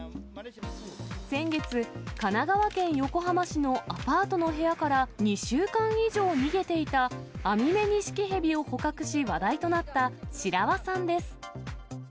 先月、神奈川県横浜市のアパートの部屋から２週間以上逃げていた、アミメニシキヘビを捕獲し話題となった白輪さんです。